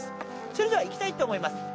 それでは行きたいと思います。